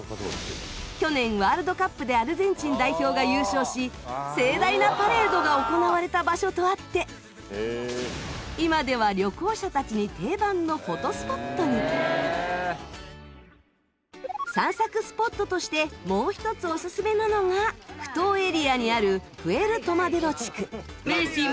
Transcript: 去年ワールドカップでアルゼンチン代表が優勝し盛大なパレードが行われた場所とあって今では散策スポットとしてもう１つオススメなのが埠頭エリアにあるプエルトマデロ地区。